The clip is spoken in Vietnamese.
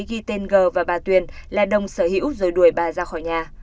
ghi tên g và bà tuyền là đồng sở hữu rồi đuổi bà ra khỏi nhà